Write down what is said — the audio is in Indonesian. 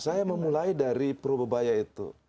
saya memulai dari pro bebaya itu